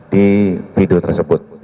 di video tersebut